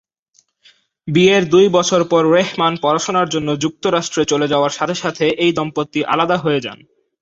বিয়ের দুই বছর পর রেহমান পড়াশোনার জন্য যুক্তরাষ্ট্রে চলে যাওয়ার সাথে সাথে এই দম্পতি আলাদা হয়ে যান।